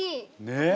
ねえ！